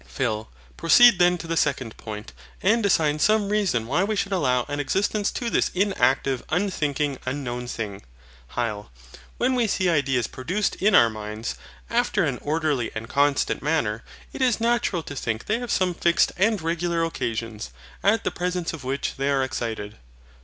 PHIL. Proceed then to the second point, and assign some reason why we should allow an existence to this inactive, unthinking, unknown thing. HYL. When we see ideas produced in our minds, after an orderly and constant manner, it is natural to think they have some fixed and regular occasions, at the presence of which they are excited.